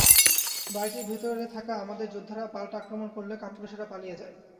বাড়িটির ভেতরে থাকা আমাদের যোদ্ধারা পাল্টা আক্রমণ করলে কাপুরুষেরা পালিয়ে যায়।